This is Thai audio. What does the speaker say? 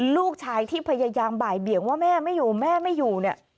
ลูกชายที่พยายามบ่ายเบี่ยงว่าแม่ไม่อยู่แม่ไม่อยู่เนี่ย